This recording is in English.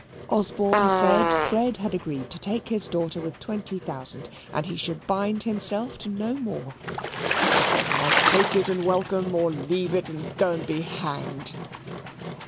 Osborne said Fred had agreed to take his daughter with twenty thousand, and he should bind himself to no more. "Fred might take it, and welcome, or leave it, and go and be hanged."